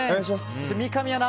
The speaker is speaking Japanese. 三上アナ